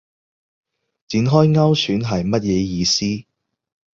展開勾選係乜嘢意思